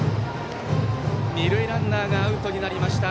二塁ランナーがアウトになりました。